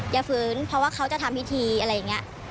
ฝืนเพราะว่าเขาจะทำพิธีอะไรอย่างนี้